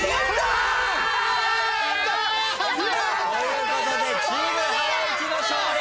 ということでチームハライチの勝利。